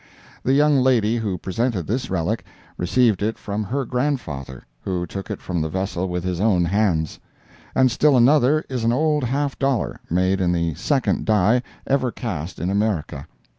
The young lady who presented this relic, received it from her grandfather, who took it from the vessel with his own hands. And still another is an old half dollar, made in the second die ever cast in America.